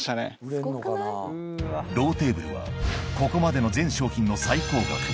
ローテーブルはここまでの全商品の最高額